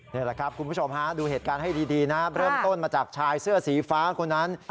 นี่แหละครับคุณผู้ชมฮะดูเหตุการณ์ให้ดีนะเริ่มต้นมาจากชายเสื้อสีฟ้าคนนั้น